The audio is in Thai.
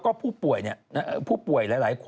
รอบรอยสัก